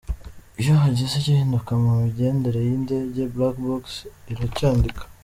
Iyo hagize igihinduka mu migendere y’indege, Black box iracyandika.